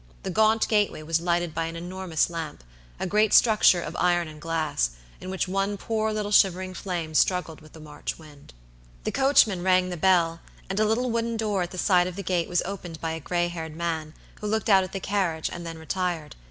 The gaunt gateway was lighted by an enormous lamp; a great structure of iron and glass, in which one poor little shivering flame struggled with the March wind. The coachman rang the bell, and a little wooden door at the side of the gate was opened by a gray haired man, who looked out at the carriage, and then retired.